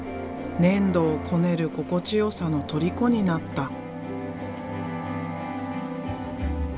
粘土をこねる心地よさのとりこになった。